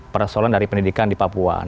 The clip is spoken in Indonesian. persoalan dari pendidikan di papua